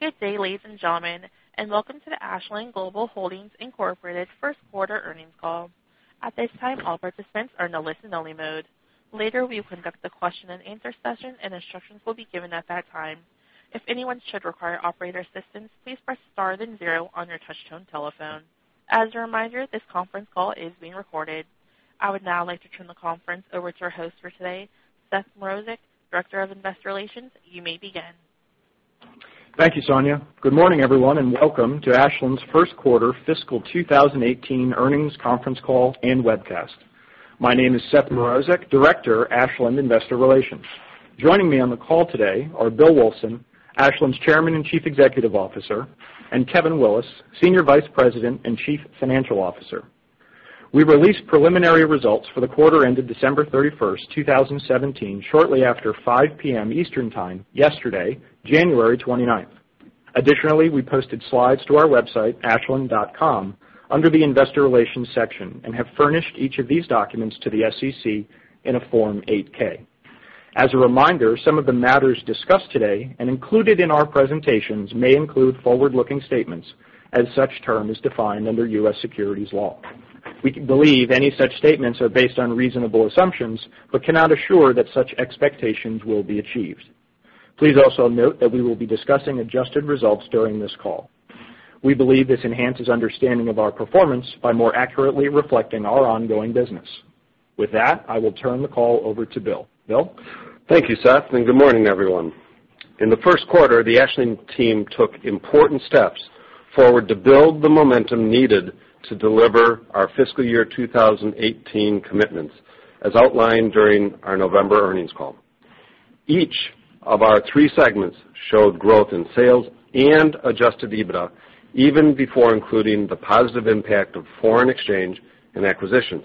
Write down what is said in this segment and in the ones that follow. Good day, ladies and gentlemen, and welcome to the Ashland Global Holdings Incorporated first quarter earnings call. At this time, all participants are in listen only mode. Later, we will conduct the question and answer session, and instructions will be given at that time. If anyone should require operator assistance, please press star then zero on your touchtone telephone. As a reminder, this conference call is being recorded. I would now like to turn the conference over to our host for today, Seth Mrozek, Director of Investor Relations. You may begin. Thank you, Sonia. Good morning, everyone, and welcome to Ashland's first quarter fiscal 2018 earnings conference call and webcast. My name is Seth Mrozek, Director, Ashland Investor Relations. Joining me on the call today are Bill Wulfsohn, Ashland's Chairman and Chief Executive Officer, and Kevin Willis, Senior Vice President and Chief Financial Officer. We released preliminary results for the quarter ended December 31st, 2017, shortly after 5:00 P.M. Eastern Time yesterday, January 29th. Additionally, we posted slides to our website, ashland.com, under the investor relations section and have furnished each of these documents to the SEC in a Form 8-K. As a reminder, some of the matters discussed today and included in our presentations may include forward-looking statements as such term is defined under U.S. securities law. We believe any such statements are based on reasonable assumptions but cannot assure that such expectations will be achieved. Please also note that we will be discussing adjusted results during this call. We believe this enhances understanding of our performance by more accurately reflecting our ongoing business. With that, I will turn the call over to Bill. Bill? Thank you, Seth, and good morning, everyone. In the first quarter, the Ashland team took important steps forward to build the momentum needed to deliver our fiscal year 2018 commitments, as outlined during our November earnings call. Each of our three segments showed growth in sales and adjusted EBITDA, even before including the positive impact of foreign exchange and acquisitions.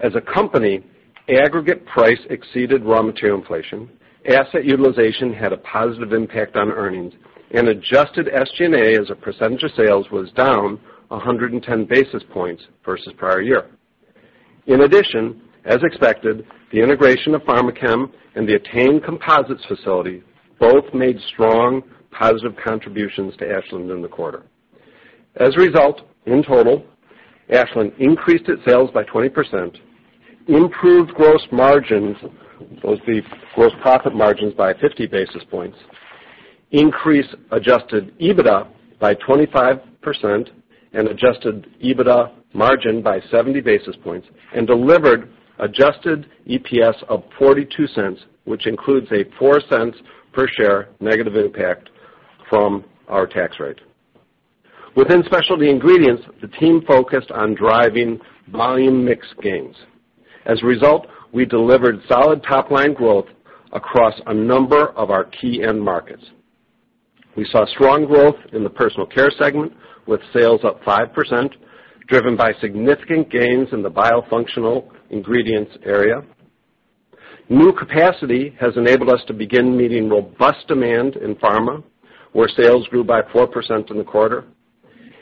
As a company, aggregate price exceeded raw material inflation, asset utilization had a positive impact on earnings, and adjusted SG&A as a percentage of sales was down 110 basis points versus prior year. In addition, as expected, the integration of Pharmachem and the Etain Composites facility both made strong positive contributions to Ashland in the quarter. As a result, in total, Ashland increased its sales by 20%, improved gross margins, both the gross profit margins by 50 basis points, increased adjusted EBITDA by 25% and adjusted EBITDA margin by 70 basis points, and delivered adjusted EPS of $0.42, which includes a $0.04 per share negative impact from our tax rate. Within Specialty Ingredients, the team focused on driving volume mix gains. As a result, we delivered solid top-line growth across a number of our key end markets. We saw strong growth in the personal care segment, with sales up 5%, driven by significant gains in the bio functional ingredients area. New capacity has enabled us to begin meeting robust demand in pharma, where sales grew by 4% in the quarter.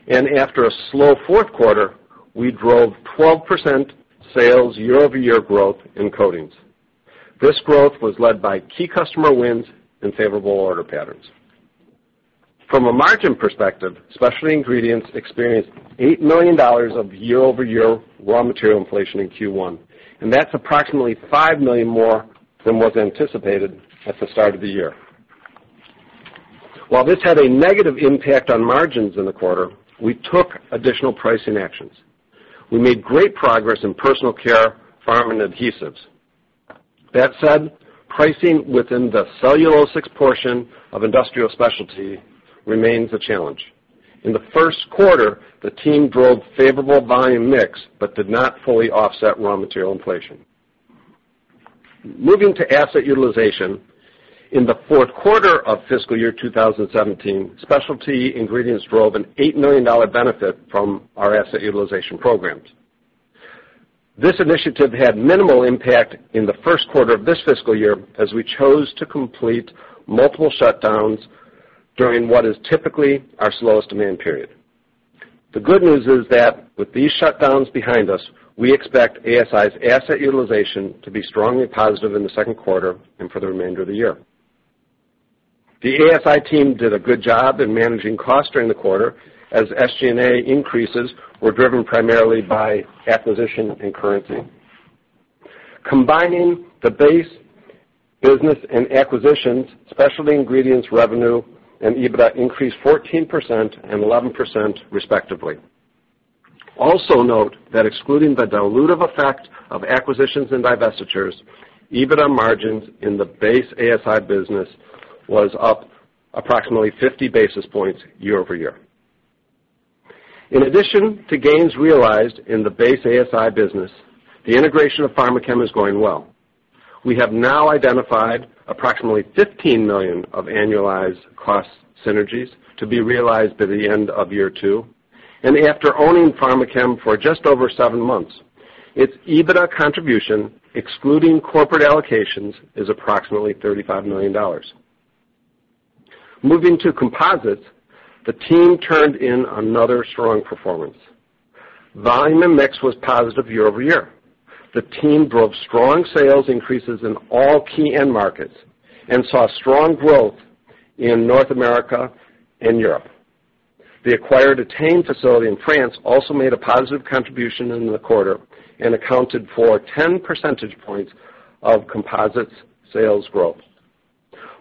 After a slow fourth quarter, we drove 12% sales year-over-year growth in coatings. This growth was led by key customer wins and favorable order patterns. From a margin perspective, Specialty Ingredients experienced $8 million of year-over-year raw material inflation in Q1, and that's approximately $5 million more than was anticipated at the start of the year. While this had a negative impact on margins in the quarter, we took additional pricing actions. We made great progress in personal care, pharma, and adhesives. That said, pricing within the cellulosic portion of industrial specialty remains a challenge. In the first quarter, the team drove favorable volume mix but did not fully offset raw material inflation. Moving to asset utilization. In the fourth quarter of fiscal year 2017, Specialty Ingredients drove an $8 million benefit from our asset utilization programs. This initiative had minimal impact in the first quarter of this fiscal year, as we chose to complete multiple shutdowns during what is typically our slowest demand period. The good news is that with these shutdowns behind us, we expect ASI's asset utilization to be strongly positive in the second quarter and for the remainder of the year. The ASI team did a good job in managing costs during the quarter, as SG&A increases were driven primarily by acquisition and currency. Combining the base business and acquisitions, Specialty Ingredients revenue and EBITDA increased 14% and 11% respectively. Also note that excluding the dilutive effect of acquisitions and divestitures, EBITDA margins in the base ASI business was up approximately 50 basis points year-over-year. In addition to gains realized in the base ASI business, the integration of Pharmachem is going well. We have now identified approximately $15 million of annualized cost synergies to be realized by the end of year two. After owning Pharmachem for just over seven months, its EBITDA contribution, excluding corporate allocations, is approximately $35 million. Moving to composites, the team turned in another strong performance. Volume and mix was positive year-over-year. The team drove strong sales increases in all key end markets and saw strong growth in North America and Europe. The acquired Etain facility in France also made a positive contribution in the quarter and accounted for 10 percentage points of composites sales growth.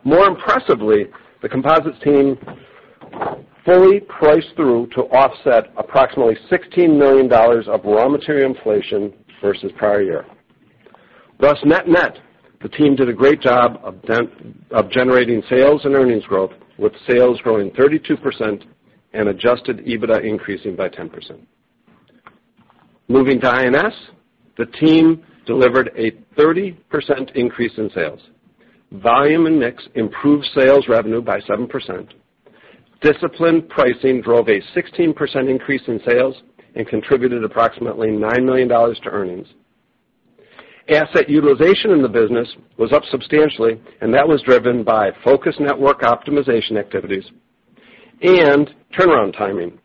More impressively, the composites team fully priced through to offset approximately $16 million of raw material inflation versus prior year. Thus, net net, the team did a great job of generating sales and earnings growth, with sales growing 32% and adjusted EBITDA increasing by 10%. Moving to ASI, the team delivered a 30% increase in sales. Volume and mix improved sales revenue by 7%. Disciplined pricing drove a 16% increase in sales and contributed approximately $9 million to earnings. Asset utilization in the business was up substantially, and that was driven by focused network optimization activities and turnaround timing,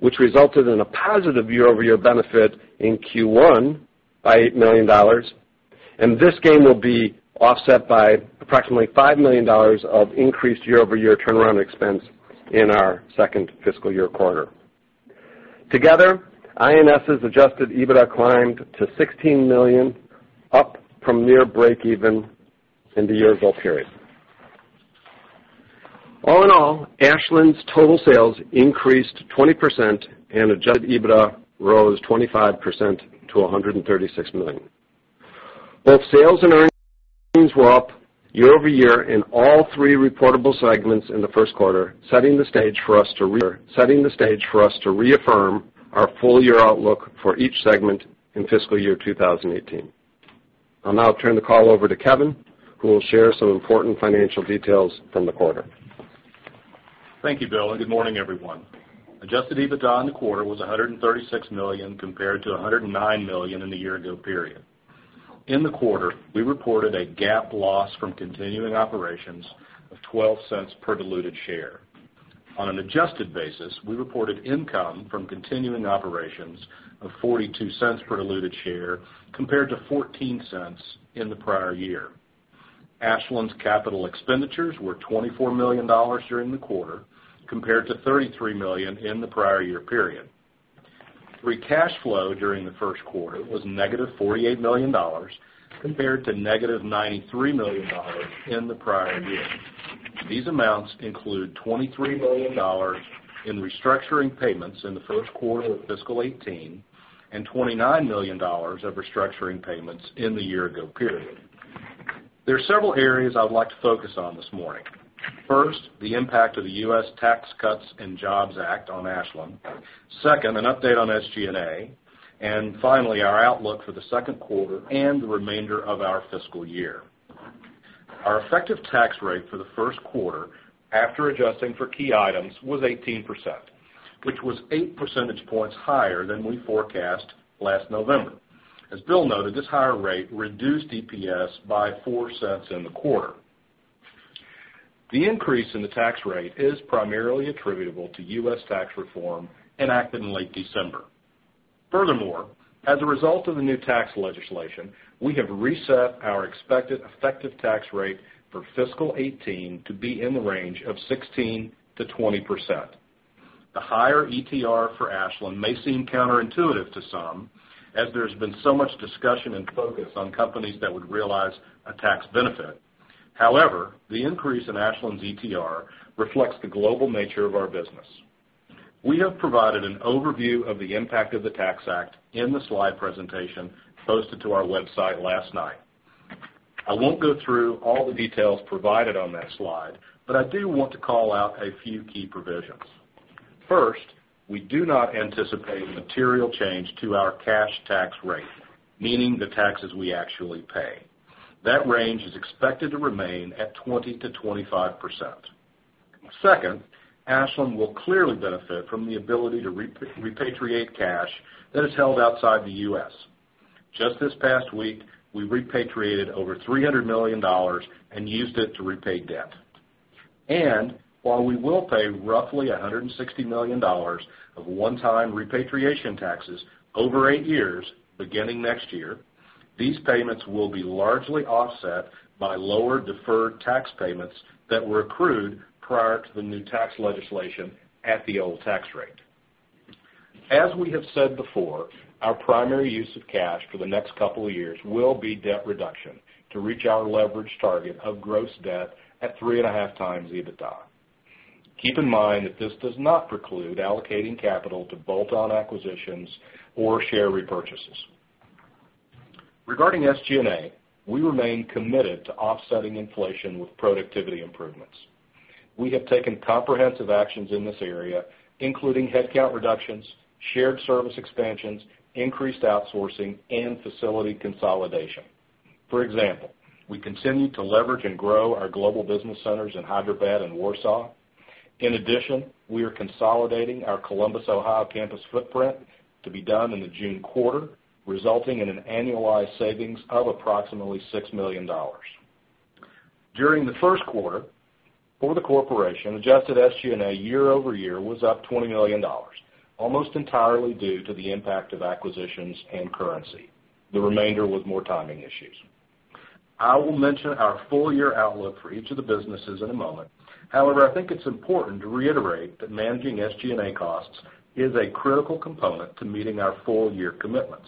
which resulted in a positive year-over-year benefit in Q1 by $8 million. This gain will be offset by approximately $5 million of increased year-over-year turnaround expense in our second fiscal year quarter. Together, ASI's adjusted EBITDA climbed to $16 million, up from near breakeven in the year ago period. All in all, Ashland's total sales increased 20% and adjusted EBITDA rose 25% to $136 million. Both sales and earnings were up year-over-year in all three reportable segments in the first quarter, setting the stage for us to reaffirm our full-year outlook for each segment in fiscal year 2018. I'll now turn the call over to Kevin, who will share some important financial details from the quarter. Thank you, Bill, and good morning, everyone. Adjusted EBITDA in the quarter was $136 million, compared to $109 million in the year ago period. In the quarter, we reported a GAAP loss from continuing operations of $0.12 per diluted share. On an adjusted basis, we reported income from continuing operations of $0.42 per diluted share, compared to $0.14 in the prior year. Ashland's capital expenditures were $24 million during the quarter, compared to $33 million in the prior year period. Free cash flow during the first quarter was negative $48 million, compared to negative $93 million in the prior year. These amounts include $23 million in restructuring payments in the first quarter of FY 2018, and $29 million of restructuring payments in the year ago period. There are several areas I would like to focus on this morning. First, the impact of the U.S. U.S. Tax Cuts and Jobs Act on Ashland. Second, an update on SG&A. Finally, our outlook for the second quarter and the remainder of our fiscal year. Our effective tax rate for the first quarter, after adjusting for key items, was 18%, which was eight percentage points higher than we forecast last November. As Bill noted, this higher rate reduced EPS by $0.04 in the quarter. The increase in the tax rate is primarily attributable to U.S. tax reform enacted in late December. Furthermore, as a result of the new tax legislation, we have reset our expected effective tax rate for FY 2018 to be in the range of 16%-20%. The higher ETR for Ashland may seem counterintuitive to some, as there's been so much discussion and focus on companies that would realize a tax benefit. However, the increase in Ashland's ETR reflects the global nature of our business. We have provided an overview of the impact of the Tax Act in the slide presentation posted to our website last night. I won't go through all the details provided on that slide, but I do want to call out a few key provisions. First, we do not anticipate a material change to our cash tax rate, meaning the taxes we actually pay. That range is expected to remain at 20%-25%. Second, Ashland will clearly benefit from the ability to repatriate cash that is held outside the U.S. Just this past week, we repatriated over $300 million and used it to repay debt. While we will pay roughly $160 million of one-time repatriation taxes over eight years, beginning next year, these payments will be largely offset by lower deferred tax payments that were accrued prior to the new tax legislation at the old tax rate. As we have said before, our primary use of cash for the next couple of years will be debt reduction to reach our leverage target of gross debt at three and a half times EBITDA. Keep in mind that this does not preclude allocating capital to bolt-on acquisitions or share repurchases. Regarding SG&A, we remain committed to offsetting inflation with productivity improvements. We have taken comprehensive actions in this area, including headcount reductions, shared service expansions, increased outsourcing, and facility consolidation. For example, we continue to leverage and grow our global business centers in Hyderabad and Warsaw. In addition, we are consolidating our Columbus, Ohio campus footprint to be done in the June quarter, resulting in an annualized savings of approximately $6 million. During the first quarter for the corporation, adjusted SG&A year-over-year was up $20 million, almost entirely due to the impact of acquisitions and currency. The remainder was more timing issues. I will mention our full-year outlook for each of the businesses in a moment. However, I think it's important to reiterate that managing SG&A costs is a critical component to meeting our full-year commitments.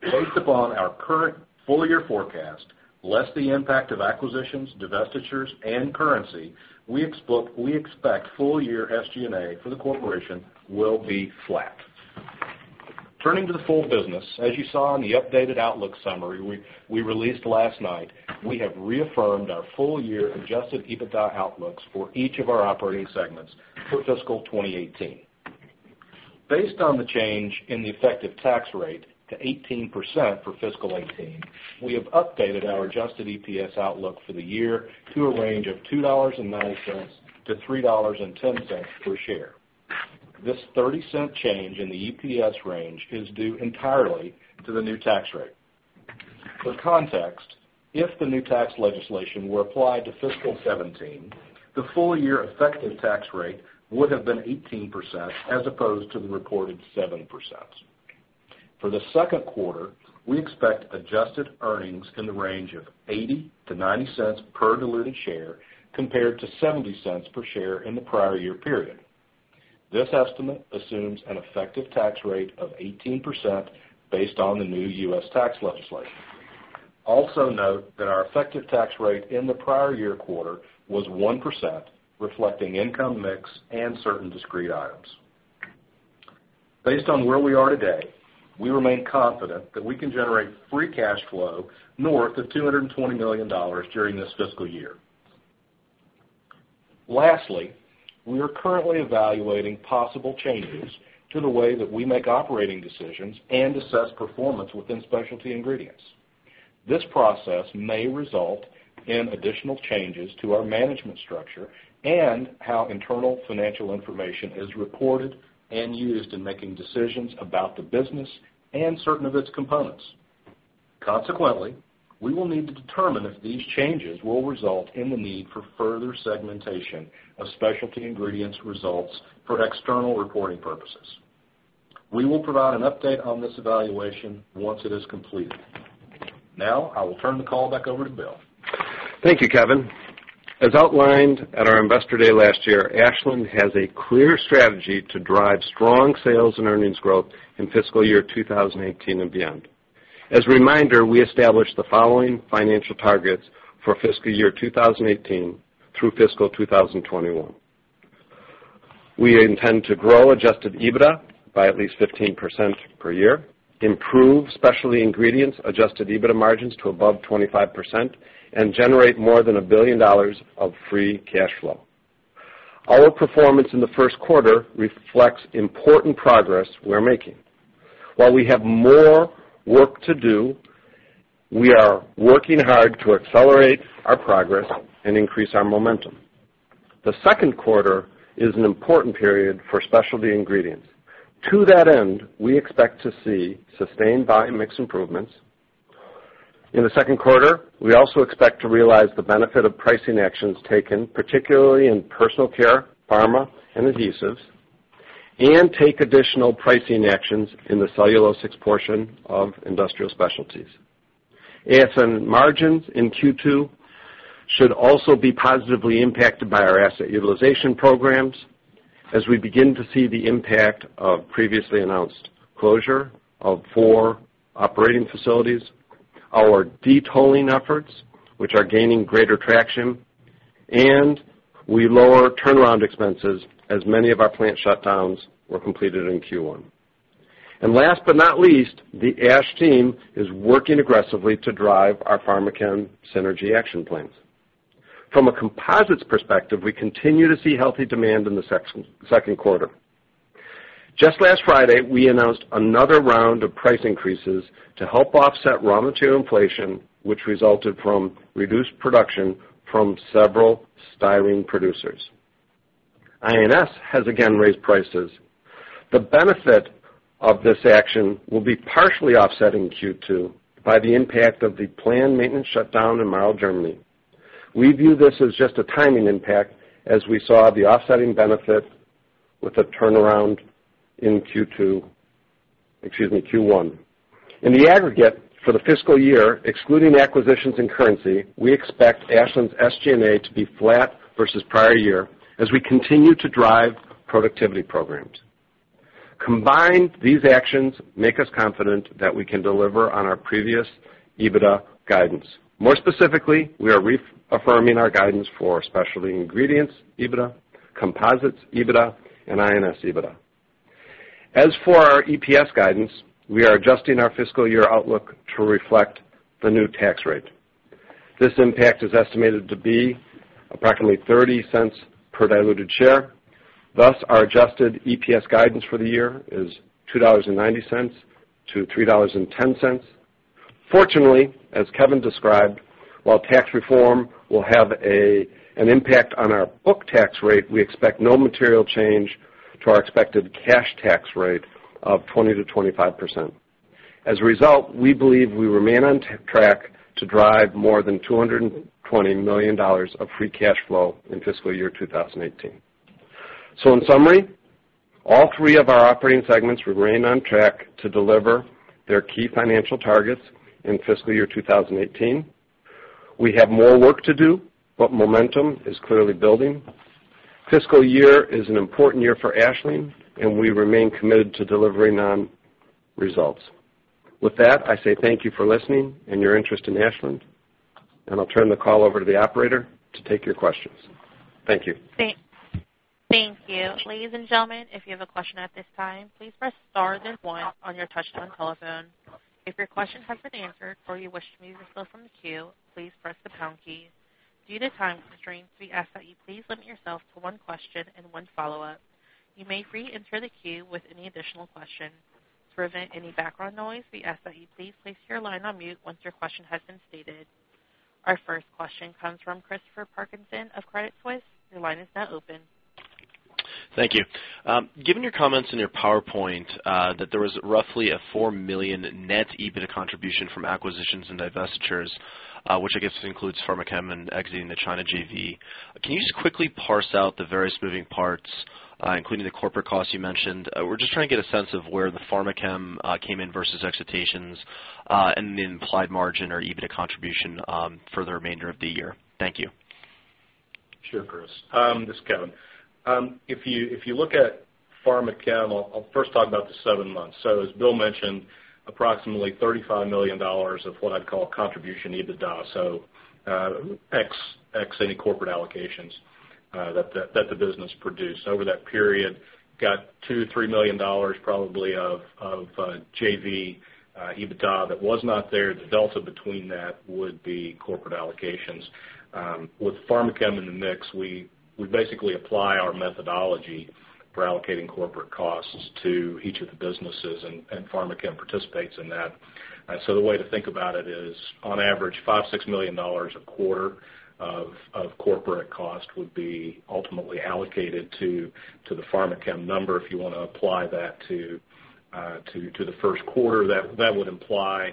Based upon our current full-year forecast, less the impact of acquisitions, divestitures, and currency, we expect full-year SG&A for the corporation will be flat. Turning to the full business, as you saw in the updated outlook summary we released last night, we have reaffirmed our full-year adjusted EBITDA outlooks for each of our operating segments for fiscal 2018. Based on the change in the effective tax rate to 18% for fiscal 2018, we have updated our adjusted EPS outlook for the year to a range of $2.90-$3.10 per share. This $0.30 change in the EPS range is due entirely to the new tax rate. For context, if the new tax legislation were applied to fiscal 2017, the full-year effective tax rate would have been 18%, as opposed to the reported 7%. For the second quarter, we expect adjusted earnings in the range of $0.80-$0.90 per diluted share, compared to $0.70 per share in the prior year period. This estimate assumes an effective tax rate of 18% based on the new U.S. tax legislation. Also note that our effective tax rate in the prior year quarter was 1%, reflecting income mix and certain discrete items. Based on where we are today, we remain confident that we can generate free cash flow north of $220 million during this fiscal year. Lastly, we are currently evaluating possible changes to the way that we make operating decisions and assess performance within Specialty Ingredients. This process may result in additional changes to our management structure and how internal financial information is reported and used in making decisions about the business and certain of its components. Consequently, we will need to determine if these changes will result in the need for further segmentation of Specialty Ingredients results for external reporting purposes. We will provide an update on this evaluation once it is completed. I will turn the call back over to Bill. Thank you, Kevin. As outlined at our investor day last year, Ashland has a clear strategy to drive strong sales and earnings growth in fiscal year 2018 and beyond. As a reminder, we established the following financial targets for fiscal year 2018 through fiscal 2021. We intend to grow adjusted EBITDA by at least 15% per year, improve Specialty Ingredients adjusted EBITDA margins to above 25%, and generate more than $1 billion of free cash flow. Our performance in the first quarter reflects important progress we're making. While we have more work to do, we are working hard to accelerate our progress and increase our momentum. The second quarter is an important period for Specialty Ingredients. To that end, we expect to see sustained volume mix improvements. In the second quarter, we also expect to realize the benefit of pricing actions taken, particularly in personal care, pharma, and adhesives, and take additional pricing actions in the cellulose portion of industrial specialties. ASI margins in Q2 should also be positively impacted by our asset utilization programs as we begin to see the impact of previously announced closure of four operating facilities, our de-tolling efforts, which are gaining greater traction, and we lower turnaround expenses as many of our plant shutdowns were completed in Q1. Last but not least, the Ash team is working aggressively to drive our Pharmachem synergy action plans. From a composites perspective, we continue to see healthy demand in the second quarter. Just last Friday, we announced another round of price increases to help offset raw material inflation, which resulted from reduced production from several styrene producers. INS has again raised prices. The benefit of this action will be partially offset in Q2 by the impact of the planned maintenance shutdown in Marl, Germany. We view this as just a timing impact as we saw the offsetting benefit with a turnaround in Q1. In the aggregate for the fiscal year, excluding acquisitions and currency, we expect Ashland's SG&A to be flat versus prior year as we continue to drive productivity programs. Combined, these actions make us confident that we can deliver on our previous EBITDA guidance. More specifically, we are reaffirming our guidance for Specialty Ingredients EBITDA, composites EBITDA, and INS EBITDA. As for our EPS guidance, we are adjusting our fiscal year outlook to reflect the new tax rate. This impact is estimated to be approximately $0.30 per diluted share. Thus, our adjusted EPS guidance for the year is $2.90 to $3.10. Fortunately, as Kevin described, while tax reform will have an impact on our book tax rate, we expect no material change to our expected cash tax rate of 20%-25%. As a result, we believe we remain on track to drive more than $220 million of free cash flow in fiscal year 2018. In summary, all three of our operating segments remain on track to deliver their key financial targets in fiscal year 2018. We have more work to do, but momentum is clearly building. Fiscal year is an important year for Ashland, we remain committed to delivering on results. With that, I say thank you for listening and your interest in Ashland, I'll turn the call over to the operator to take your questions. Thank you. Thank you. Ladies and gentlemen, if you have a question at this time, please press star then one on your touchtone telephone. If your question has been answered or you wish to remove yourself from the queue, please press the pound key. Due to time constraints, we ask that you please limit yourself to one question and one follow-up. You may re-enter the queue with any additional questions. To prevent any background noise, we ask that you please place your line on mute once your question has been stated. Our first question comes from Christopher Parkinson of Credit Suisse. Your line is now open. Thank you. Given your comments in your PowerPoint, that there was roughly a $4 million net EBITDA contribution from acquisitions and divestitures, which I guess includes Pharmachem and exiting the China JV, can you just quickly parse out the various moving parts, including the corporate costs you mentioned? We're just trying to get a sense of where the Pharmachem came in versus expectations, and the implied margin or EBITDA contribution for the remainder of the year. Thank you. Sure, Chris. This is Kevin. If you look at Pharmachem, I'll first talk about the seven months. As Bill mentioned, approximately $35 million of what I'd call contribution EBITDA, so ex any corporate allocations that the business produced over that period got $2 million-$3 million probably of JV EBITDA that was not there. The delta between that would be corporate allocations. With Pharmachem in the mix, we basically apply our methodology for allocating corporate costs to each of the businesses, and Pharmachem participates in that. The way to think about it is, on average, $5 million-$6 million a quarter of corporate cost would be ultimately allocated to the Pharmachem number. If you want to apply that to the first quarter, that would imply,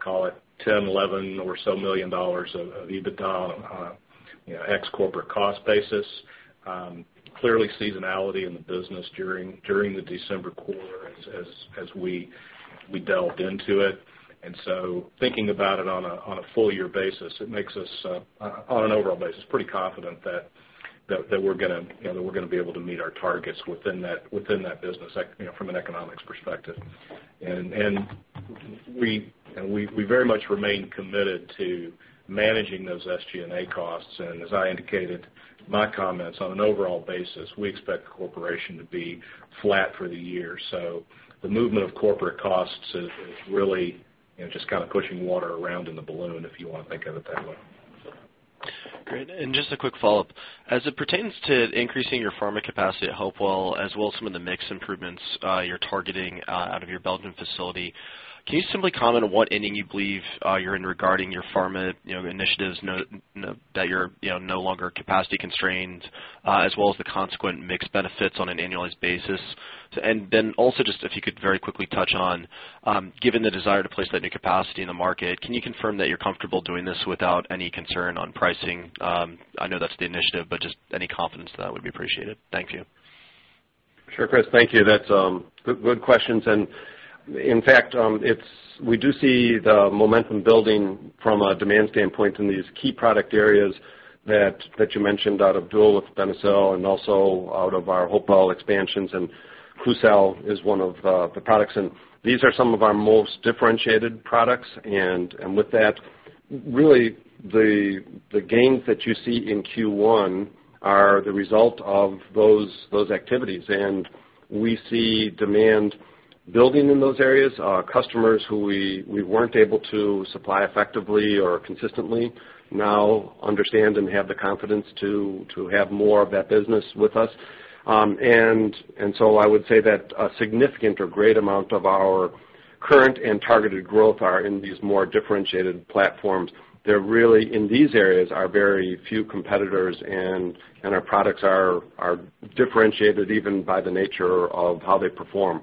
call it $10 million-$11 million or so of EBITDA on ex corporate cost basis. Clearly seasonality in the business during the December quarter as we delved into it. Thinking about it on a full year basis, it makes us, on an overall basis, pretty confident that we're going to be able to meet our targets within that business from an economics perspective. We very much remain committed to managing those SG&A costs. As I indicated in my comments, on an overall basis, we expect the corporation to be flat for the year. The movement of corporate costs is really just kind of pushing water around in the balloon, if you want to think of it that way. Great. Just a quick follow-up. As it pertains to increasing your pharma capacity at Hopewell, as well as some of the mix improvements you're targeting out of your Belgium facility, can you simply comment on what ending you believe you're in regarding your pharma initiatives that you're no longer capacity constrained, as well as the consequent mix benefits on an annualized basis? Then also just if you could very quickly touch on, given the desire to place that new capacity in the market, can you confirm that you're comfortable doing this without any concern on pricing? I know that's the initiative, but just any confidence to that would be appreciated. Thank you. Sure, Chris. Thank you. That's good questions. In fact, we do see the momentum building from a demand standpoint in these key product areas that you mentioned out of Doel with Benecel and also out of our Hopewell expansions, and Klucel is one of the products. These are some of our most differentiated products. With that, really the gains that you see in Q1 are the result of those activities. We see demand building in those areas. Our customers who we weren't able to supply effectively or consistently now understand and have the confidence to have more of that business with us. I would say that a significant or great amount of our current and targeted growth are in these more differentiated platforms. In these areas are very few competitors, and our products are differentiated even by the nature of how they perform.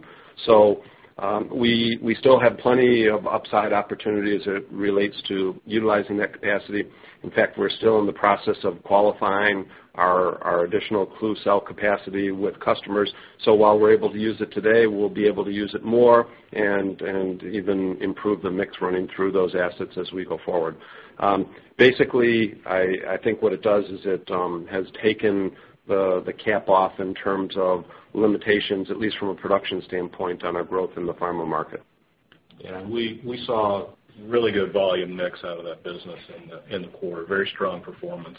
We still have plenty of upside opportunities as it relates to utilizing that capacity. In fact, we're still in the process of qualifying our additional Klucel capacity with customers. While we're able to use it today, we'll be able to use it more and even improve the mix running through those assets as we go forward. Basically, I think what it does is it has taken the cap off in terms of limitations, at least from a production standpoint, on our growth in the pharma market. Yeah. We saw really good volume mix out of that business in the core. Very strong performance.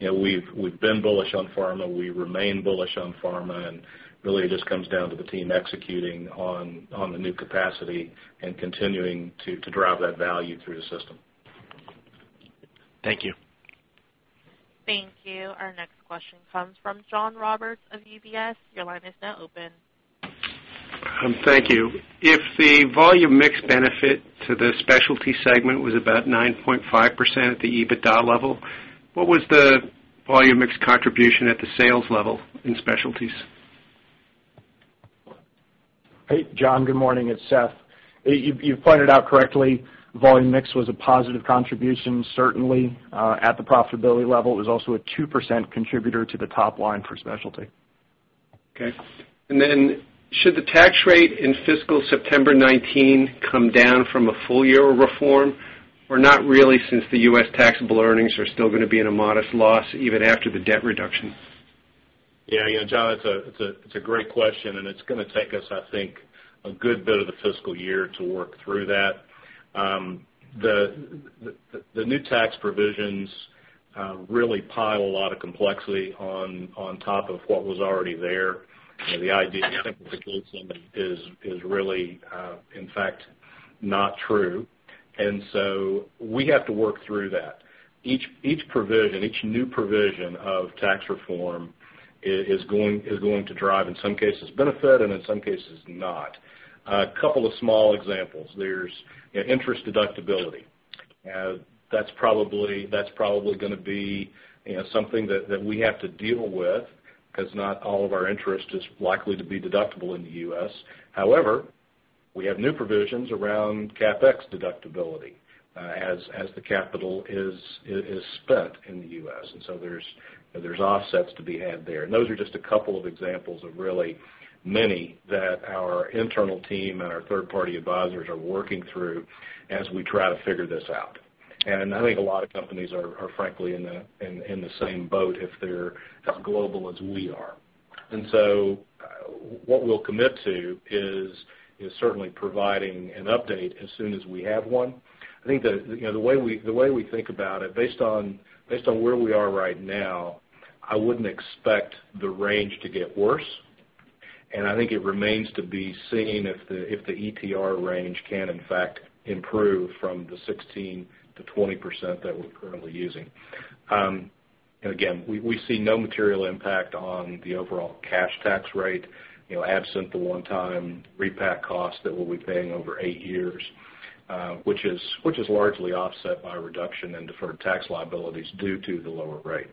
We've been bullish on pharma. We remain bullish on pharma, really it just comes down to the team executing on the new capacity and continuing to drive that value through the system. Thank you. Thank you. Our next question comes from John Roberts of UBS. Your line is now open. Thank you. If the volume mix benefit to the specialty segment was about 9.5% at the EBITDA level, what was the volume mix contribution at the sales level in specialties? Hey, John. Good morning. It's Seth. You've pointed out correctly, volume mix was a positive contribution, certainly, at the profitability level. It was also a 2% contributor to the top line for specialty. Okay. Should the tax rate in fiscal September 2019 come down from a full year of reform, or not really since the U.S. taxable earnings are still going to be at a modest loss even after the debt reduction? Yeah, John, it's a great question. It's going to take us, I think, a good bit of the fiscal year to work through that. The new tax provisions really pile a lot of complexity on top of what was already there. The idea of simplification is really, in fact, not true. We have to work through that. Each new provision of tax reform is going to drive, in some cases, benefit, and in some cases, not. A couple of small examples. There's interest deductibility. That's probably going to be something that we have to deal with because not all of our interest is likely to be deductible in the U.S. However, we have new provisions around CapEx deductibility as the capital is spent in the U.S. There's offsets to be had there. Those are just a couple of examples of really many that our internal team and our third-party advisors are working through as we try to figure this out. I think a lot of companies are frankly in the same boat if they're as global as we are. What we'll commit to is certainly providing an update as soon as we have one. I think the way we think about it, based on where we are right now, I wouldn't expect the range to get worse. I think it remains to be seen if the ETR range can in fact improve from the 16%-20% that we're currently using. Again, we see no material impact on the overall cash tax rate, absent the one-time repat cost that we'll be paying over eight years, which is largely offset by reduction in deferred tax liabilities due to the lower rate.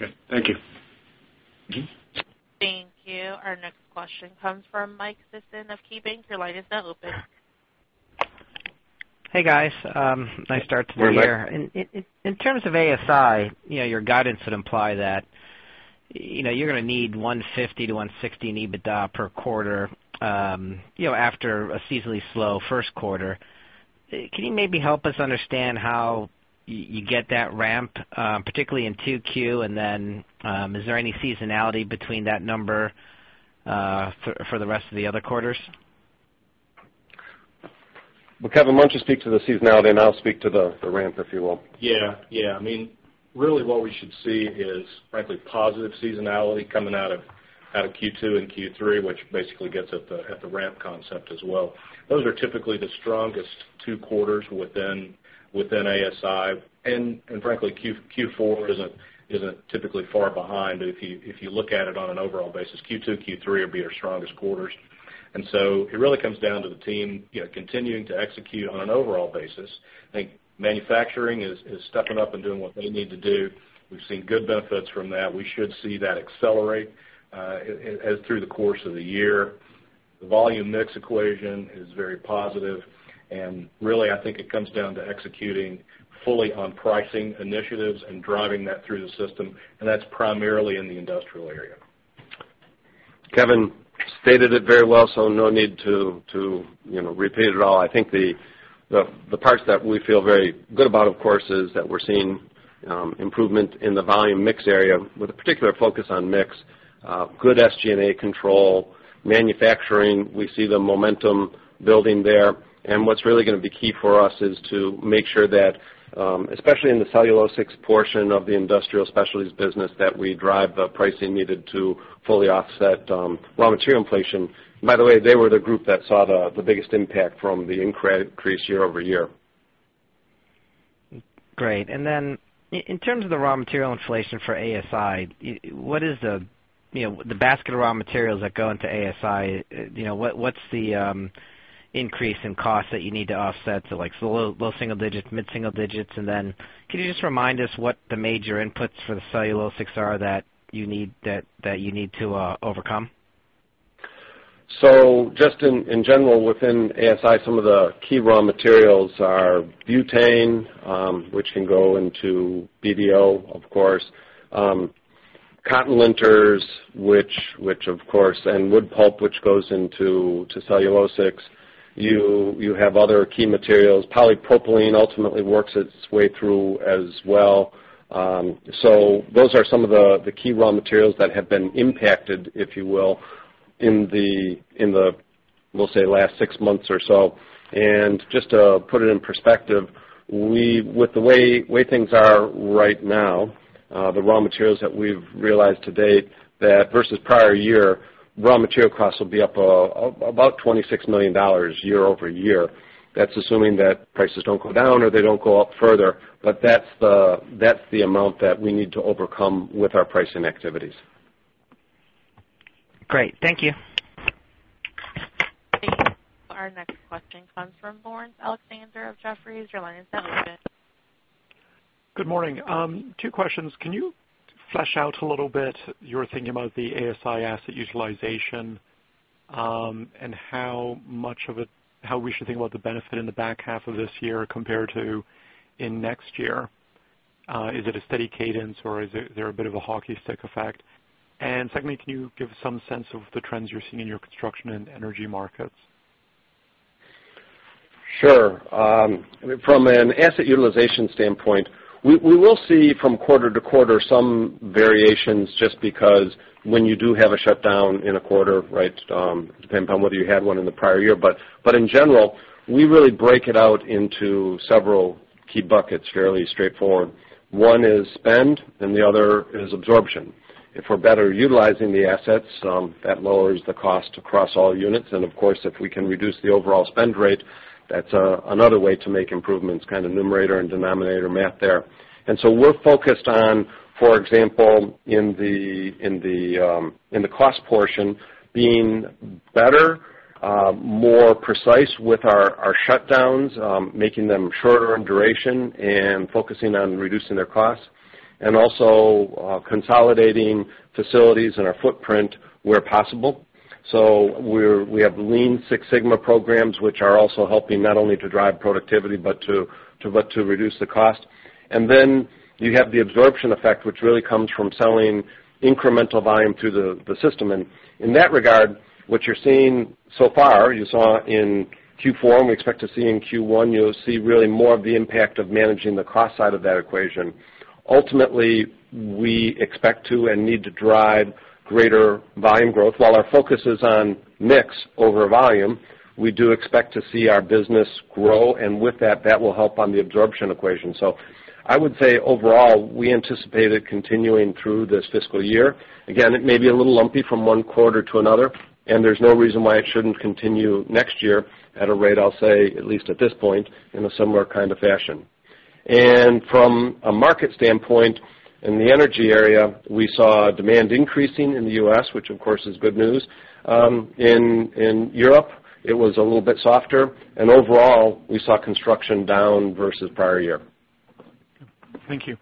Okay. Thank you. Thank you. Our next question comes from Mike Sison of KeyBanc Capital Markets. Your line is now open. Hey, guys. Nice start to the year. Good morning, Mike. In terms of ASI, your guidance would imply that you're going to need $150-$160 in EBITDA per quarter after a seasonally slow first quarter. Can you maybe help us understand how you get that ramp, particularly in 2Q? Then, is there any seasonality between that number for the rest of the other quarters? Well, Kevin, why don't you speak to the seasonality, and I'll speak to the ramp, if you will. Yeah. Really what we should see is frankly positive seasonality coming out of Q2 and Q3, which basically gets at the ramp concept as well. Those are typically the strongest two quarters within ASI, and frankly, Q4 isn't typically far behind if you look at it on an overall basis. Q2, Q3 will be our strongest quarters. So it really comes down to the team continuing to execute on an overall basis. I think manufacturing is stepping up and doing what they need to do. We've seen good benefits from that. We should see that accelerate through the course of the year. The volume mix equation is very positive, and really I think it comes down to executing fully on pricing initiatives and driving that through the system, and that's primarily in the industrial area. Kevin stated it very well, so no need to repeat it at all. I think the parts that we feel very good about, of course, is that we're seeing improvement in the volume mix area with a particular focus on mix. Good SG&A control. Manufacturing, we see the momentum building there. What's really going to be key for us is to make sure that, especially in the cellulosics portion of the industrial specialties business, that we drive the pricing needed to fully offset raw material inflation. By the way, they were the group that saw the biggest impact from the increase year-over-year. Great. In terms of the raw material inflation for ASI, the basket of raw materials that go into ASI, what's the increase in cost that you need to offset to low single digits, mid-single digits? Can you just remind us what the major inputs for the cellulosics are that you need to overcome? Just in general within ASI, some of the key raw materials are butane which can go into BDO, of course. Cotton linters and wood pulp, which goes into cellulosics. You have other key materials. Polypropylene ultimately works its way through as well. Those are some of the key raw materials that have been impacted, if you will, in the, we'll say last six months or so. Just to put it in perspective, with the way things are right now, the raw materials that we've realized to date that versus prior year, raw material costs will be up about $26 million year-over-year. That's assuming that prices don't go down or they don't go up further. That's the amount that we need to overcome with our pricing activities. Great. Thank you. Thank you. Our next question comes from Laurence Alexander of Jefferies. Your line is now open. Good morning. Two questions. Can you flesh out a little bit your thinking about the ASI asset utilization, and how we should think about the benefit in the back half of this year compared to in next year? Is it a steady cadence, or is there a bit of a hockey stick effect? Secondly, can you give some sense of the trends you're seeing in your construction and energy markets? Sure. From an asset utilization standpoint, we will see from quarter to quarter some variations just because when you do have a shutdown in a quarter, depending upon whether you had one in the prior year. In general, we really break it out into several key buckets, fairly straightforward. One is spend and the other is absorption. If we're better utilizing the assets, that lowers the cost across all units. Of course, if we can reduce the overall spend rate, that's another way to make improvements, kind of numerator and denominator math there. We're focused on, for example, in the cost portion, being better, more precise with our shutdowns, making them shorter in duration and focusing on reducing their costs, also consolidating facilities in our footprint where possible. We have Lean Six Sigma programs, which are also helping not only to drive productivity, but to reduce the cost. Then you have the absorption effect, which really comes from selling incremental volume through the system. In that regard, what you're seeing so far, you saw in Q4, and we expect to see in Q1, you'll see really more of the impact of managing the cost side of that equation. Ultimately, we expect to and need to drive greater volume growth. While our focus is on mix over volume, we do expect to see our business grow, and with that will help on the absorption equation. I would say overall, we anticipate it continuing through this fiscal year. Again, it may be a little lumpy from one quarter to another, there's no reason why it shouldn't continue next year at a rate, I'll say, at least at this point, in a similar kind of fashion. From a market standpoint, in the energy area, we saw demand increasing in the U.S., which of course is good news. In Europe, it was a little bit softer. Overall, we saw construction down versus prior year. Thank you.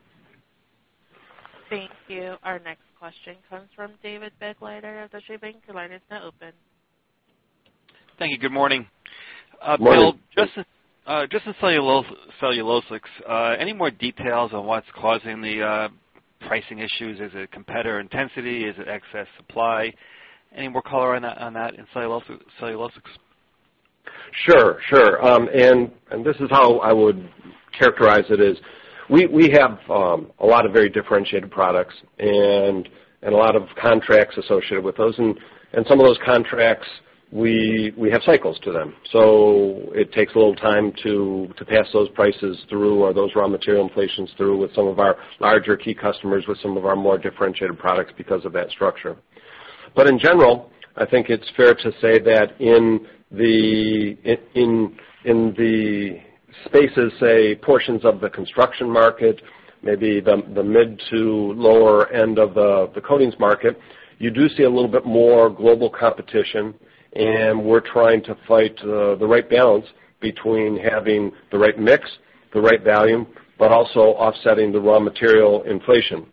Thank you. Our next question comes from David Begleiter of Deutsche Bank. Your line is now open. Thank you. Good morning. Morning. Bill, just in cellulosics, any more details on what's causing the pricing issues? Is it competitor intensity? Is it excess supply? Any more color on that in cellulosics? Sure. This is how I would characterize it is, we have a lot of very differentiated products and a lot of contracts associated with those. Some of those contracts, we have cycles to them. It takes a little time to pass those prices through or those raw material inflations through with some of our larger key customers with some of our more differentiated products because of that structure. In general, I think it's fair to say that in the spaces, say, portions of the construction market, maybe the mid to lower end of the coatings market, you do see a little bit more global competition, and we're trying to fight the right balance between having the right mix, the right volume, but also offsetting the raw material inflation.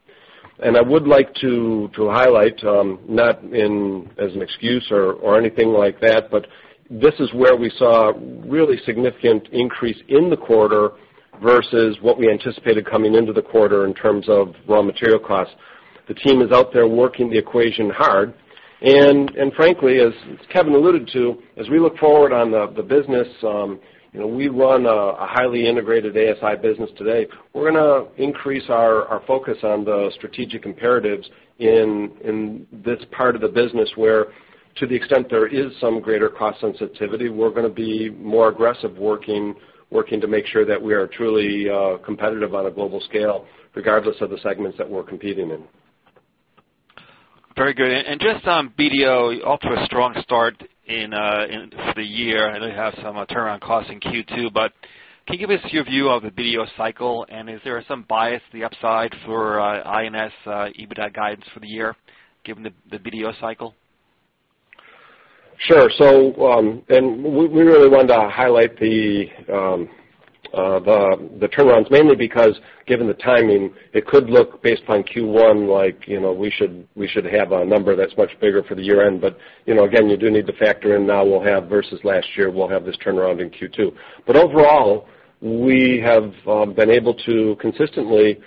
I would like to highlight, not as an excuse or anything like that, but this is where we saw really significant increase in the quarter versus what we anticipated coming into the quarter in terms of raw material costs. The team is out there working the equation hard. Frankly, as Kevin alluded to, as we look forward on the business, we run a highly integrated ASI business today. We're going to increase our focus on the strategic imperatives in this part of the business where, to the extent there is some greater cost sensitivity, we're going to be more aggressive working to make sure that we are truly competitive on a global scale, regardless of the segments that we're competing in. Very good. Just on BDO, off to a strong start for the year. I know you have some turnaround costs in Q2, can you give us your view of the BDO cycle, and is there some bias to the upside for INS EBITDA guidance for the year, given the BDO cycle? Sure. We really wanted to highlight the turnarounds, mainly because given the timing, it could look based on Q1 like we should have a number that's much bigger for the year end. Again, you do need to factor in now versus last year, we'll have this turnaround in Q2. Overall, we have been able to consistently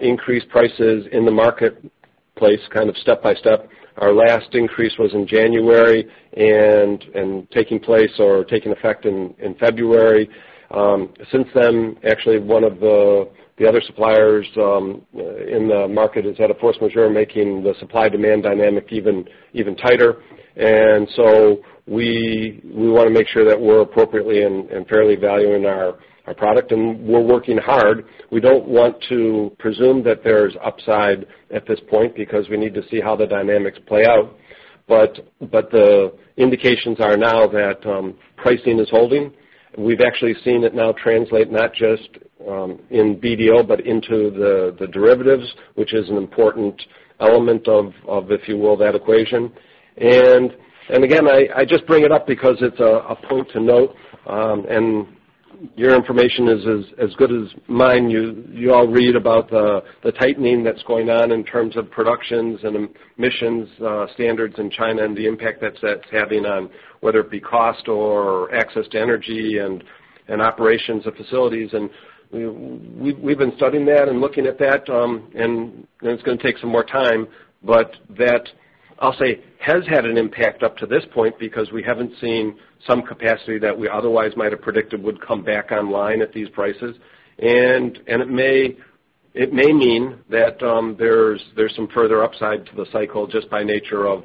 increase prices in the marketplace kind of step by step. Our last increase was in January, and taking place or taking effect in February. Since then, actually, one of the other suppliers in the market has had a force majeure, making the supply-demand dynamic even tighter. We want to make sure that we're appropriately and fairly valuing our product, and we're working hard. We don't want to presume that there's upside at this point because we need to see how the dynamics play out. The indications are now that pricing is holding. We've actually seen it now translate not just in BDO, but into the derivatives, which is an important element of, if you will, that equation. Again, I just bring it up because it's a point to note. Your information is as good as mine. You all read about the tightening that's going on in terms of productions and emissions standards in China and the impact that's having on whether it be cost or access to energy and operations of facilities. We've been studying that and looking at that, and it's going to take some more time, but that, I'll say, has had an impact up to this point because we haven't seen some capacity that we otherwise might have predicted would come back online at these prices. It may mean that there's some further upside to the cycle just by nature of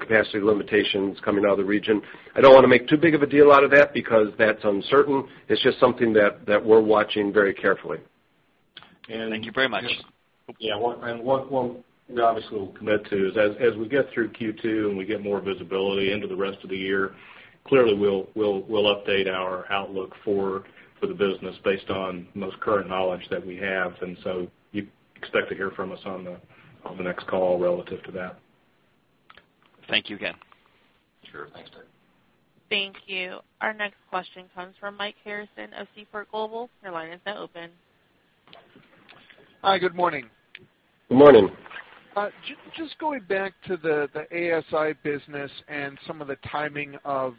capacity limitations coming out of the region. I don't want to make too big of a deal out of that because that's uncertain. It's just something that we're watching very carefully. Thank you very much. Yeah. What we obviously will commit to is as we get through Q2 and we get more visibility into the rest of the year, clearly we'll update our outlook for the business based on the most current knowledge that we have. You can expect to hear from us on the next call relative to that. Thank you again. Sure thing. Thank you. Our next question comes from Mike Harrison of Seaport Global. Your line is now open. Hi, good morning. Good morning. Going back to the ASI business and some of the timing of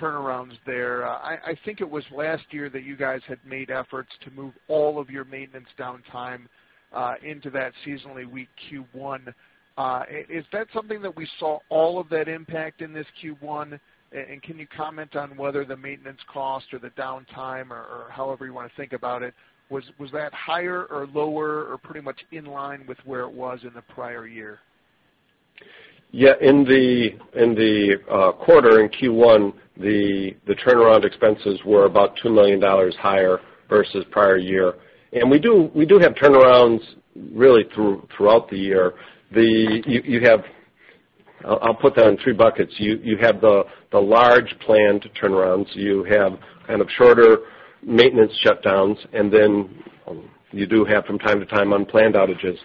turnarounds there. I think it was last year that you guys had made efforts to move all of your maintenance downtime into that seasonally weak Q1. Is that something that we saw all of that impact in this Q1? Can you comment on whether the maintenance cost or the downtime, or however you want to think about it, was that higher or lower or pretty much in line with where it was in the prior year? Yeah. In the quarter, in Q1, the turnaround expenses were about $2 million higher versus prior year. We do have turnarounds really throughout the year. I'll put that in three buckets. You have the large planned turnarounds. You have kind of shorter maintenance shutdowns, and then you do have from time to time unplanned outages.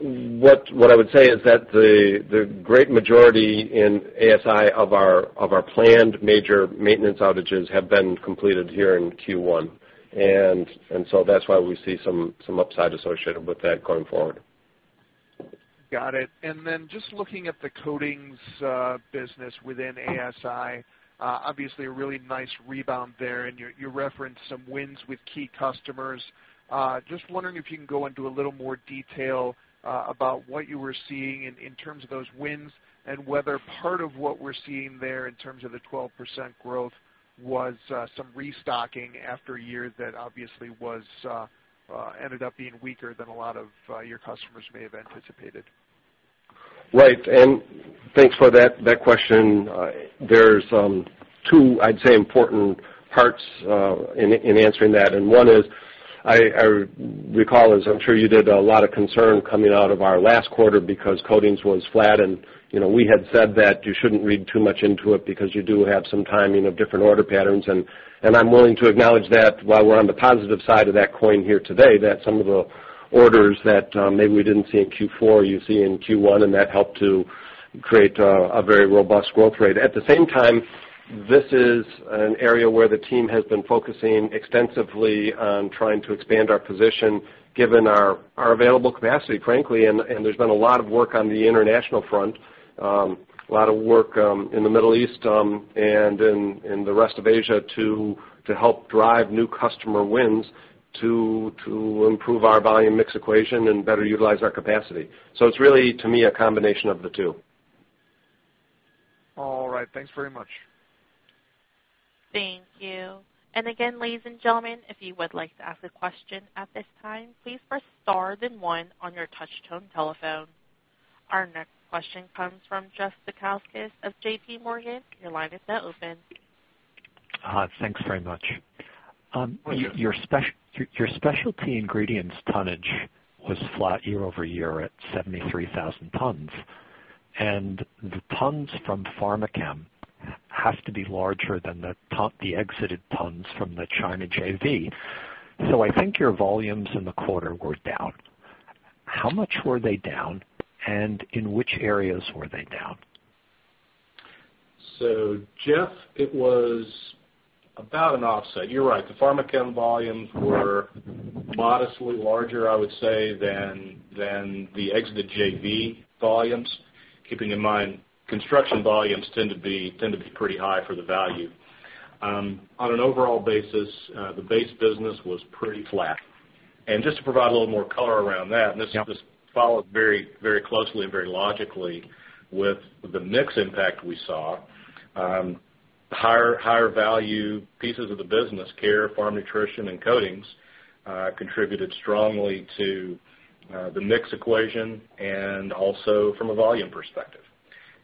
What I would say is that the great majority in ASI of our planned major maintenance outages have been completed here in Q1. That's why we see some upside associated with that going forward. Got it. Just looking at the coatings business within ASI, obviously a really nice rebound there, and you referenced some wins with key customers. Just wondering if you can go into a little more detail about what you were seeing in terms of those wins and whether part of what we're seeing there in terms of the 12% growth was some restocking after a year that obviously ended up being weaker than a lot of your customers may have anticipated. Right. Thanks for that question. There's two, I'd say, important parts in answering that. One is, I recall, as I'm sure you did, a lot of concern coming out of our last quarter because coatings was flat, and we had said that you shouldn't read too much into it because you do have some timing of different order patterns. I'm willing to acknowledge that while we're on the positive side of that coin here today, that some of the orders that maybe we didn't see in Q4, you see in Q1, and that helped to create a very robust growth rate. At the same time, this is an area where the team has been focusing extensively on trying to expand our position, given our available capacity, frankly. There's been a lot of work on the international front. A lot of work in the Middle East and in the rest of Asia to help drive new customer wins to improve our volume mix equation and better utilize our capacity. It's really, to me, a combination of the two. All right. Thanks very much. Thank you. Again, ladies and gentlemen, if you would like to ask a question at this time, please press star then one on your touch tone telephone. Our next question comes from Jeff Zekauskas of JPMorgan. Your line is now open. Thanks very much. Your Specialty Ingredients tonnage was flat year-over-year at 73,000 tons, and the tons from Pharmachem have to be larger than the exited tons from the China JV. I think your volumes in the quarter were down. How much were they down, and in which areas were they down? Jeff, it was about an offset. You're right, the Pharmachem volumes were modestly larger, I would say, than the exit JV volumes. Keeping in mind, construction volumes tend to be pretty high for the value. On an overall basis, the base business was pretty flat. Just to provide a little more color around that, this follows very closely and very logically with the mix impact we saw. Higher value pieces of the business, care, pharma nutrition, and coatings, contributed strongly to the mix equation and also from a volume perspective.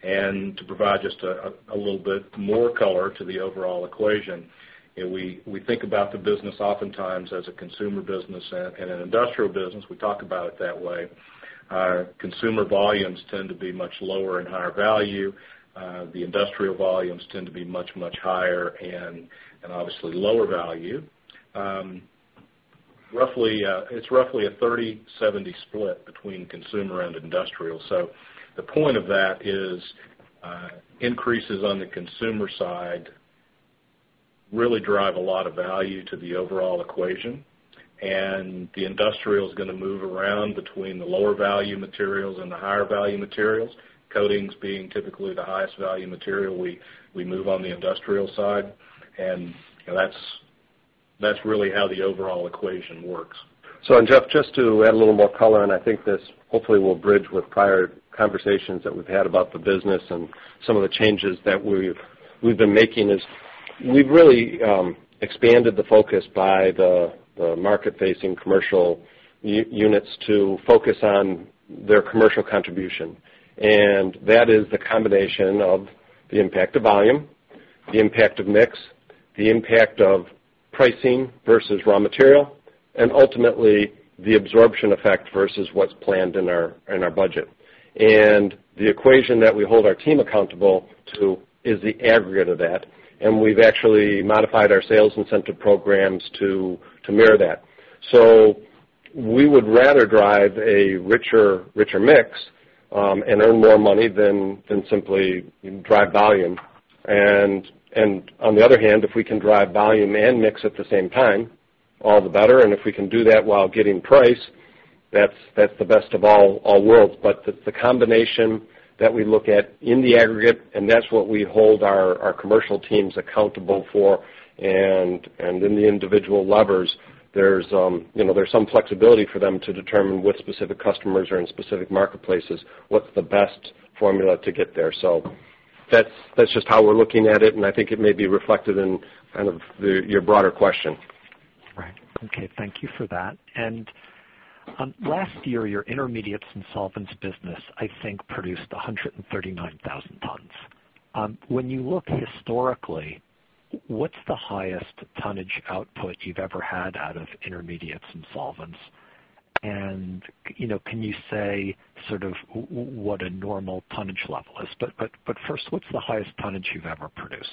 To provide just a little bit more color to the overall equation, we think about the business oftentimes as a consumer business and an industrial business. We talk about it that way. Our consumer volumes tend to be much lower and higher value. The industrial volumes tend to be much higher and obviously lower value. It's roughly a 30-70 split between consumer and industrial. The point of that is increases on the consumer side really drive a lot of value to the overall equation. The industrial is going to move around between the lower value materials and the higher value materials. Coatings being typically the highest value material we move on the industrial side. That's really how the overall equation works. Jeff, just to add a little more color, I think this hopefully will bridge with prior conversations that we've had about the business and some of the changes that we've been making is, we've really expanded the focus by the market facing commercial units to focus on their commercial contribution. That is the combination of the impact of volume, the impact of mix, the impact of pricing versus raw material, and ultimately, the absorption effect versus what's planned in our budget. The equation that we hold our team accountable to is the aggregate of that. We've actually modified our sales incentive programs to mirror that. We would rather drive a richer mix, and earn more money than simply drive volume. On the other hand, if we can drive volume and mix at the same time, all the better. If we can do that while getting price, that's the best of all worlds. The combination that we look at in the aggregate, and that's what we hold our commercial teams accountable for. In the individual levers, there's some flexibility for them to determine what specific customers are in specific marketplaces, what's the best formula to get there. That's just how we're looking at it, and I think it may be reflected in your broader question. Right. Okay. Thank you for that. Last year, your intermediates and solvents business, I think, produced 139,000 tons. When you look historically, what's the highest tonnage output you've ever had out of intermediates and solvents? Can you say sort of what a normal tonnage level is? First, what's the highest tonnage you've ever produced?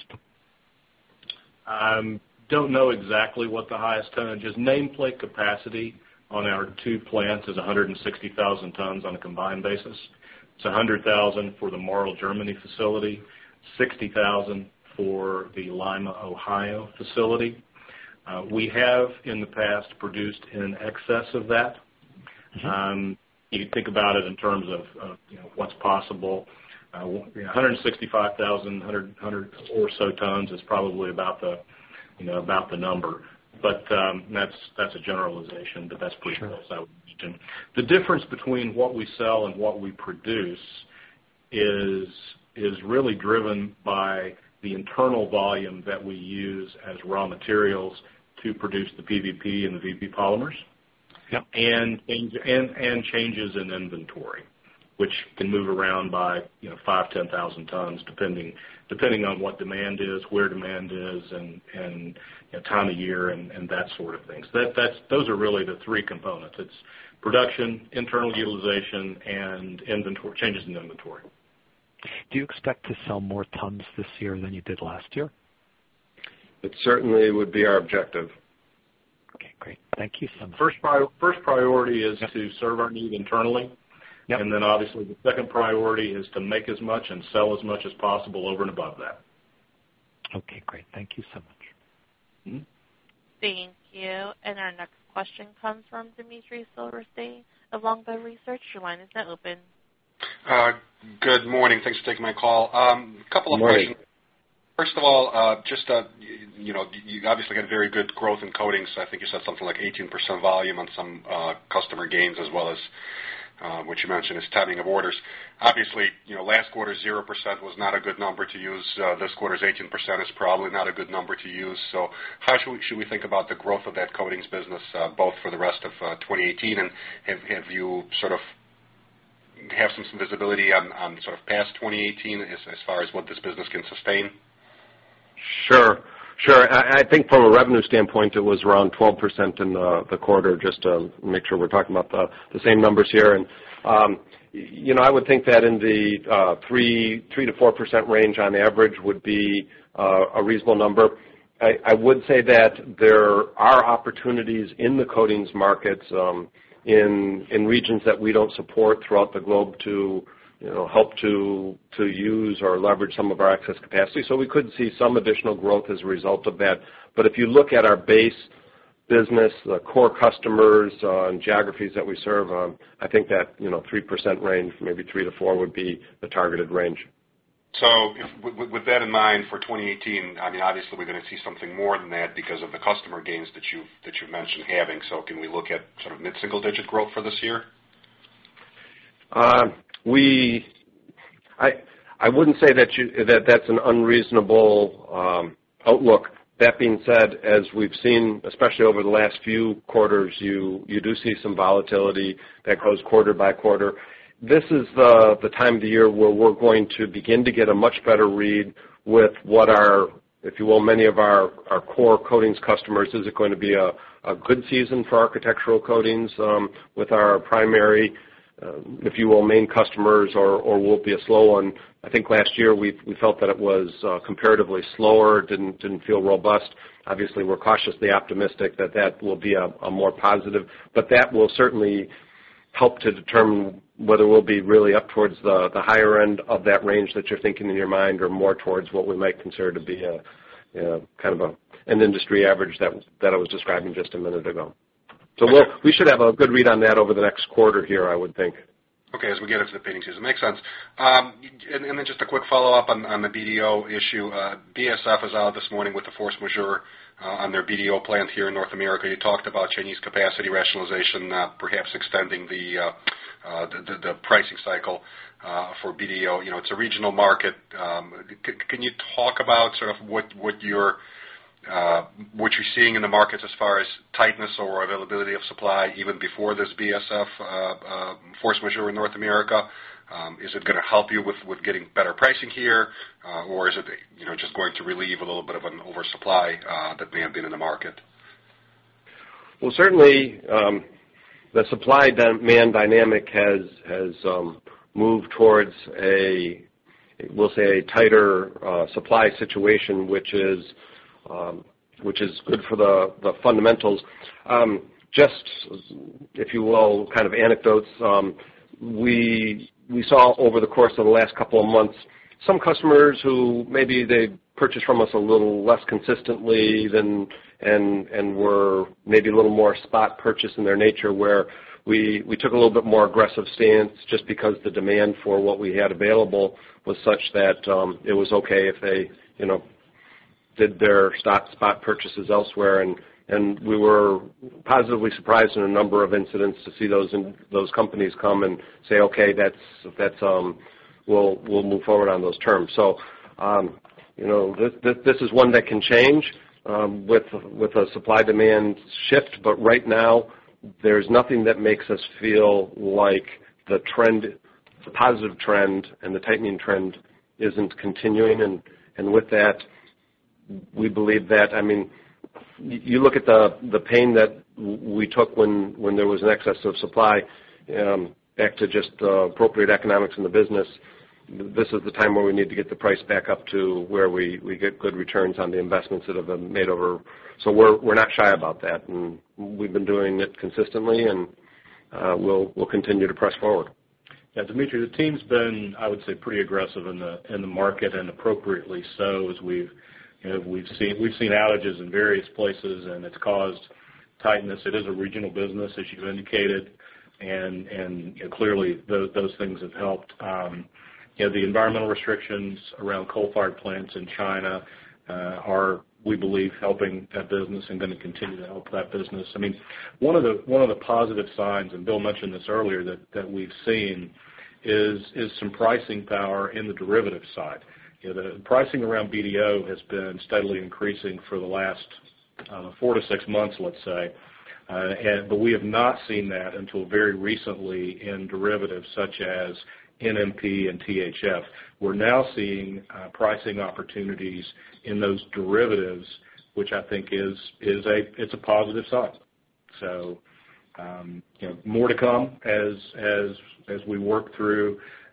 Don't know exactly what the highest tonnage is. Nameplate capacity on our two plants is 160,000 tons on a combined basis. It's 100,000 for the Marl, Germany facility, 60,000 for the Lima, Ohio facility. We have in the past produced in excess of that. You can think about it in terms of what's possible. 165,000, 100 or so tons is probably about the number. That's a generalization. Sure prediction. The difference between what we sell and what we produce is really driven by the internal volume that we use as raw materials to produce the PVP and the VP polymers. Yep. Changes in inventory, which can move around by 5,000, 10,000 tons, depending on what demand is, where demand is and time of year and that sort of thing. Those are really the three components. It's production, internal utilization, and changes in inventory. Do you expect to sell more tons this year than you did last year? It certainly would be our objective. Okay, great. Thank you so much. First priority is to serve our need internally. Yep. Obviously, the second priority is to make as much and sell as much as possible over and above that. Okay, great. Thank you so much. Thank you. Our next question comes from Dmitry Silversteyn of Longbow Research. Your line is now open. Good morning. Thanks for taking my call. Couple of questions. Morning. First of all, you obviously got very good growth in coatings. I think you said something like 18% volume on some customer gains as well as what you mentioned as timing of orders. Obviously, last quarter 0% was not a good number to use. This quarter's 18% is probably not a good number to use. How should we think about the growth of that coatings business both for the rest of 2018, and have you sort of have some visibility on sort of past 2018 as far as what this business can sustain? Sure. I think from a revenue standpoint, it was around 12% in the quarter, just to make sure we're talking about the same numbers here. I would think that in the 3%-4% range on average would be a reasonable number. I would say that there are opportunities in the coatings markets in regions that we don't support throughout the globe to help to use or leverage some of our excess capacity. We could see some additional growth as a result of that. If you look at our base business, the core customers on geographies that we serve on, I think that 3% range, maybe 3%-4% would be the targeted range. With that in mind, for 2018, obviously we're going to see something more than that because of the customer gains that you mentioned having. Can we look at sort of mid-single digit growth for this year? I wouldn't say that's an unreasonable outlook. That being said, as we've seen, especially over the last few quarters, you do see some volatility that goes quarter by quarter. This is the time of the year where we're going to begin to get a much better read with what our, if you will, many of our core coatings customers. Is it going to be a good season for architectural coatings with our primary, if you will, main customers, or will it be a slow one? I think last year we felt that it was comparatively slower, didn't feel robust. Obviously, we're cautiously optimistic that that will be more positive. That will certainly help to determine whether we'll be really up towards the higher end of that range that you're thinking in your mind or more towards what we might consider to be a kind of an industry average that I was describing just a minute ago. We should have a good read on that over the next quarter here, I would think. Okay. As we get into the painting season, makes sense. Just a quick follow-up on the BDO issue. BASF is out this morning with the force majeure on their BDO plant here in North America. You talked about Chinese capacity rationalization perhaps extending the pricing cycle for BDO. It is a regional market. Can you talk about sort of what you're seeing in the markets as far as tightness or availability of supply, even before this BASF force majeure in North America? Is it going to help you with getting better pricing here? Or is it just going to relieve a little bit of an oversupply that may have been in the market? Well, certainly, the supply-demand dynamic has moved towards a, we'll say, tighter supply situation, which is good for the fundamentals. Just, if you will, kind of anecdotes. We saw over the course of the last couple of months, some customers who maybe they purchased from us a little less consistently and were maybe a little more spot purchase in their nature, where we took a little bit more aggressive stance just because the demand for what we had available was such that it was okay if they did their spot purchases elsewhere. We were positively surprised in a number of incidents to see those companies come and say, "Okay, we'll move forward on those terms." This is one that can change with a supply-demand shift. Right now, there is nothing that makes us feel like the positive trend and the tightening trend isn't continuing. With that, we believe that, you look at the pain that we took when there was an excess of supply back to just the appropriate economics in the business. This is the time where we need to get the price back up to where we get good returns on the investments that have been made over. We're not shy about that, and we've been doing it consistently, and we'll continue to press forward. Yeah, Dmitry, the team's been, I would say, pretty aggressive in the market, and appropriately so. We've seen outages in various places, and it's caused tightness. It is a regional business, as you've indicated, and clearly, those things have helped. The environmental restrictions around coal-fired plants in China are, we believe, helping that business and going to continue to help that business. One of the positive signs, and Bill mentioned this earlier, that we've seen is some pricing power in the derivative side. The pricing around BDO has been steadily increasing for the last four to six months, let's say. We have not seen that until very recently in derivatives such as NMP and THF. We're now seeing pricing opportunities in those derivatives, which I think it's a positive sign. More to come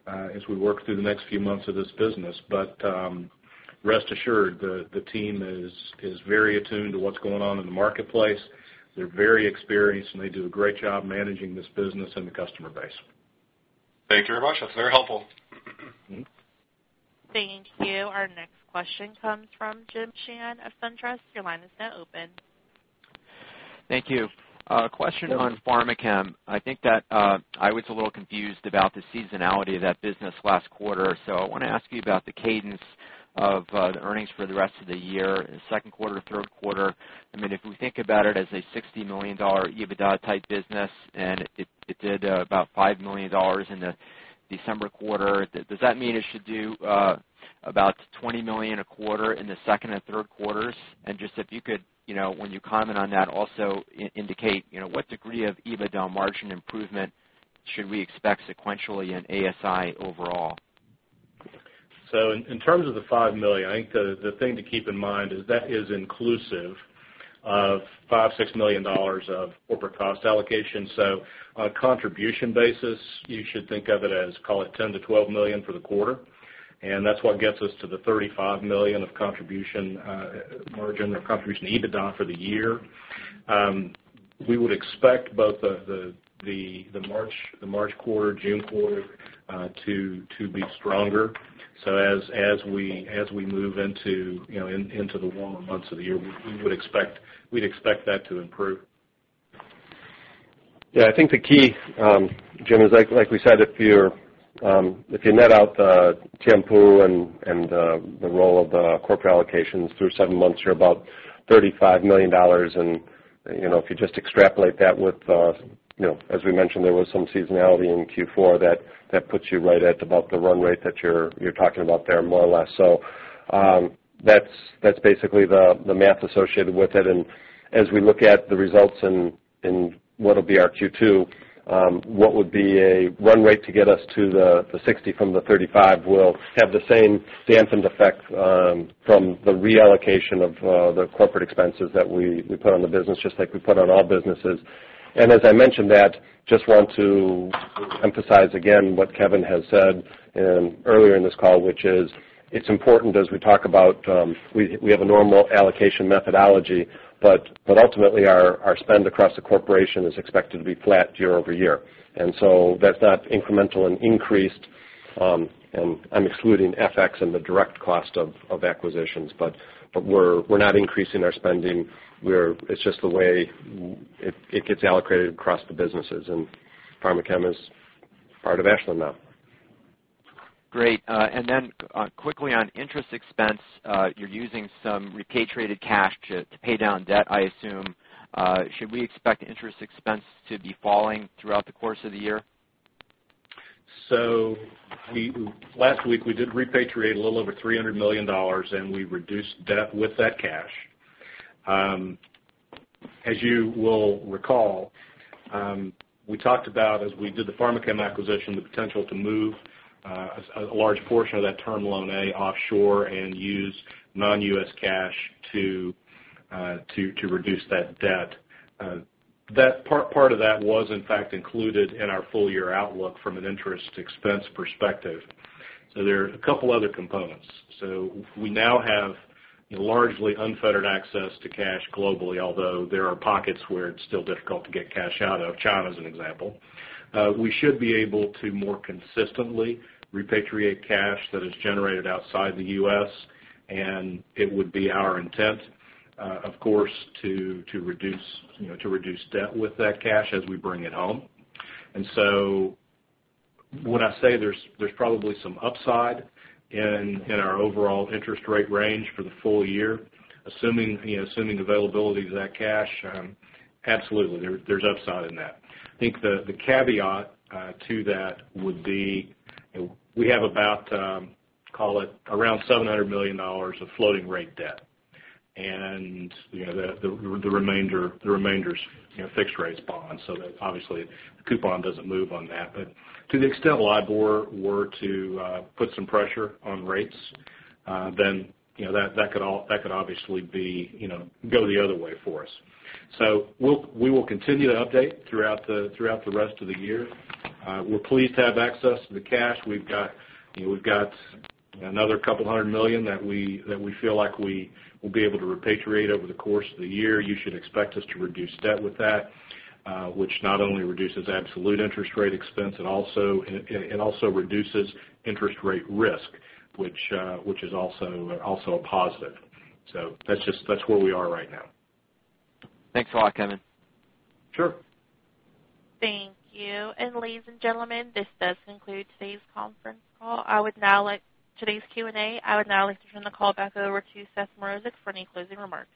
as we work through the next few months of this business. rest assured, the team is very attuned to what's going on in the marketplace. They're very experienced, and they do a great job managing this business and the customer base. Thank you very much. That's very helpful. Thank you. Our next question comes from Jim Sheehan of SunTrust. Your line is now open. Thank you. A question on Pharmachem. I think that I was a little confused about the seasonality of that business last quarter. I want to ask you about the cadence of the earnings for the rest of the year, second quarter to third quarter. If we think about it as a $60 million EBITDA type business, and it did about $5 million in the December quarter, does that mean it should do about $20 million a quarter in the second and third quarters? And just if you could, when you comment on that, also indicate what degree of EBITDA margin improvement should we expect sequentially in ASI overall? In terms of the $5 million, I think the thing to keep in mind is that is inclusive of $5 million, $6 million of corporate cost allocation. On a contribution basis, you should think of it as, call it $10 million to $12 million for the quarter. That's what gets us to the $35 million of contribution margin or contribution EBITDA for the year. We would expect both the March quarter, June quarter to be stronger. As we move into the warmer months of the year, we'd expect that to improve. Yeah, I think the key, Jim, is like we said, if you net out Tianpu and the role of the corporate allocations through seven months, you're about $35 million. If you just extrapolate that with, as we mentioned, there was some seasonality in Q4 that puts you right at about the run rate that you're talking about there, more or less. That's basically the math associated with it. As we look at the results in what will be our Q2, what would be a run rate to get us to the $60 from the $35 will have the same stamp and effect from the reallocation of the corporate expenses that we put on the business, just like we put on all businesses. As I mention that, just want to emphasize again what Kevin has said earlier in this call, which is it's important as we talk about, we have a normal allocation methodology, but ultimately our spend across the corporation is expected to be flat year-over-year. That's not incremental and increased. I'm excluding FX and the direct cost of acquisitions. We're not increasing our spending. It's just the way it gets allocated across the businesses, and Pharmachem is part of Ashland now. Great. Quickly on interest expense, you're using some repatriated cash to pay down debt, I assume. Should we expect interest expense to be falling throughout the course of the year? Last week we did repatriate a little over $300 million, and we reduced debt with that cash. As you will recall, we talked about as we did the Pharmachem acquisition, the potential to move a large portion of that term loan A offshore and use non-U.S. cash to reduce that debt. Part of that was in fact included in our full year outlook from an interest expense perspective. There are a couple other components. We now have largely unfettered access to cash globally, although there are pockets where it's still difficult to get cash out of. China's an example. We should be able to more consistently repatriate cash that is generated outside the U.S., and it would be our intent, of course, to reduce debt with that cash as we bring it home. Would I say there's probably some upside in our overall interest rate range for the full year, assuming availability to that cash? Absolutely. There's upside in that. I think the caveat to that would be we have about, call it around $700 million of floating rate debt, and the remainder's fixed rates bonds. Obviously the coupon doesn't move on that, but to the extent LIBOR were to put some pressure on rates, then that could obviously go the other way for us. We will continue to update throughout the rest of the year. We're pleased to have access to the cash. We've got another couple hundred million that we feel like we will be able to repatriate over the course of the year. You should expect us to reduce debt with that, which not only reduces absolute interest rate expense, it also reduces interest rate risk, which is also a positive. That's where we are right now. Thanks a lot, Kevin. Sure. Thank you. Ladies and gentlemen, this does conclude today's Q&A. I would now like to turn the call back over to Seth Mrozek for any closing remarks.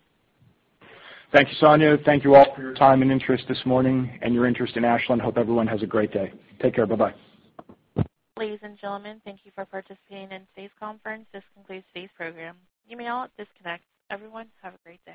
Thank you, Sonia. Thank you all for your time and interest this morning and your interest in Ashland. Hope everyone has a great day. Take care. Bye bye. Ladies and gentlemen, thank you for participating in today's conference. This concludes today's program. You may all disconnect. Everyone, have a great day.